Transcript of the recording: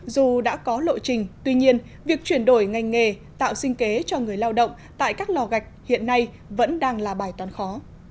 dù đã có lộ trình tuy nhiên việc chuyển đổi ngành nghề tạo sinh kế cho người lao động tại các lò gạch hiện nay vẫn đang là bài toán khó